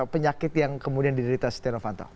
penyakit yang kemudian diderita setia novanto